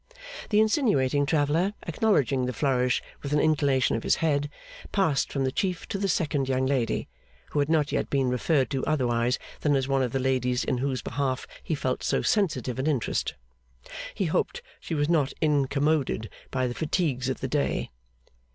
The insinuating traveller, acknowledging the flourish with an inclination of his head, passed from the Chief to the second young lady, who had not yet been referred to otherwise than as one of the ladies in whose behalf he felt so sensitive an interest. He hoped she was not incommoded by the fatigues of the day.